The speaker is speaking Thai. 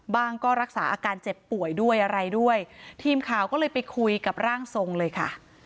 ก็รักษาอาการเจ็บป่วยด้วยอะไรด้วยทีมข่าวก็เลยไปคุยกับร่างทรงเลยค่ะ